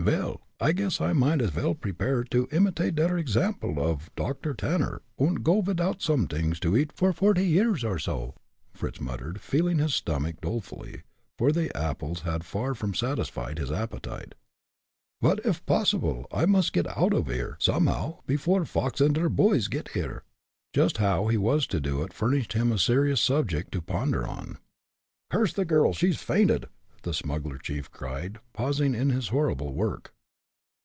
"Vel, I guess I might as vel prepare to imitate der example off Doctor Tanner, und go vidout somedings to eat for forty years or so!" Fritz muttered, feeling of his stomach dolefully, for the apples had far from satisfied his appetite. "But, if possible, I must get oud off here, somehow, before Fox und der boys get here." Just how he was to do it furnished him a serious subject to ponder on. "Curse the girl! she's fainted!" the smuggler chief cried, pausing in his horrible work.